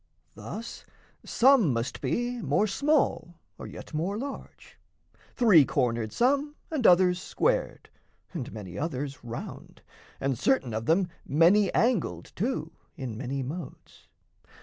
Thus some must be More small or yet more large, three cornered some And others squared, and many others round, And certain of them many angled too In many modes.